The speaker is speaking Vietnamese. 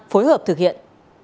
phối hợp thực hiện